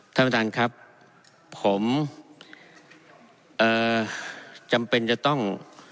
ท่านประธานครับผมเอ่อจำเป็นจะต้อง